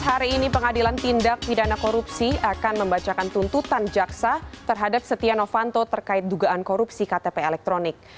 hari ini pengadilan tindak pidana korupsi akan membacakan tuntutan jaksa terhadap setia novanto terkait dugaan korupsi ktp elektronik